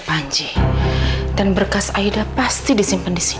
yang kurang dua puluh delapan alsik untuk menghubungi bayangan drya